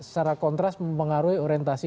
secara kontras mengaruhi orientasi